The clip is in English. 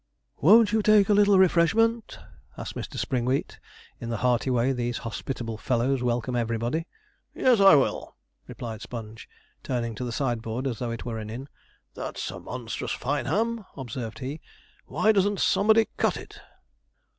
'Won't you take a little refreshment?' asked Mr. Springwheat, in the hearty way these hospitable fellows welcome everybody. 'Yes, I will,' replied Sponge, turning to the sideboard as though it were an inn. 'That's a monstrous fine ham,' observed he; 'why doesn't somebody cut it?'